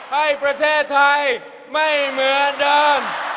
ให้ประเทศไทยไม่เหมือนเดิม